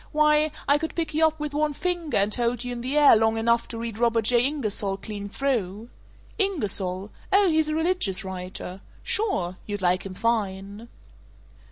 Why, I could pick you up with one finger, and hold you in the air long enough to read Robert J. Ingersoll clean through. Ingersoll? Oh, he's a religious writer. Sure. You'd like him fine."